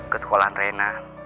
ke sekolah antrena